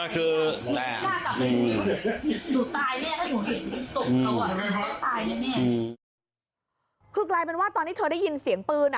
คือกลายเป็นว่าตอนที่เธอได้ยินเสียงปืน